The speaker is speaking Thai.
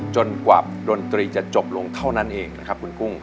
จนกว่าดนตรีจะจบลงเท่านั้นเองนะครับคุณกุ้ง